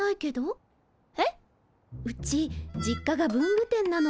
うち実家が文具店なの。